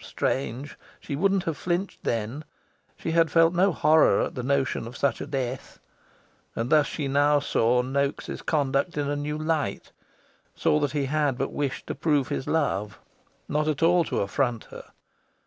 Strange! she wouldn't have flinched then. She had felt no horror at the notion of such a death. And thus she now saw Noaks' conduct in a new light saw that he had but wished to prove his love, not at all to affront her.